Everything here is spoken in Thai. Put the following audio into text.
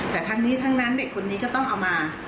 แต่ทั้งนี้ทั้งนั้นเด็กคนนี้ก็ต้องเอามา